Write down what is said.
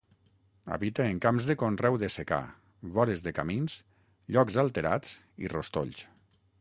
Habita en camps de conreu de secà, vores de camins, llocs alterats i rostolls.